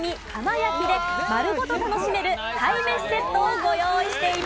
焼きで丸ごと楽しめる鯛めしセットをご用意しています。